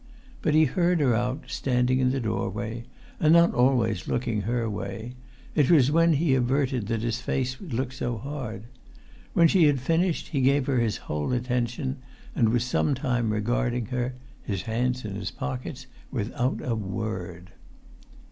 But he heard her out, standing in the doorway, and not always looking her way; it was when averted that his face looked so hard. When she had finished he gave her his whole attention, and was some time regarding her, his hands in his pockets, without a word.